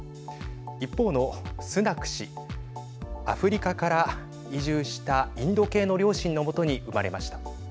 一方のスナク氏アフリカから移住したインド系の両親のもとに生まれました。